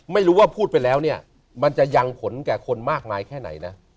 ไม่รู้ว่าพูดไปแล้วเนี่ยมันจะยังผลแก่คนมากมายแค่ไหนนะ